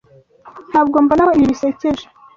Ntabwo mbona ko ibi bisekeje.